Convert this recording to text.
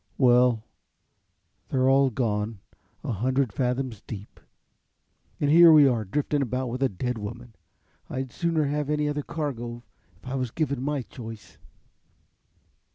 Well, they're all gone a hundred fathoms deep and here we are drifting about with a dead woman. I'd sooner have any other cargo if I was given my choice."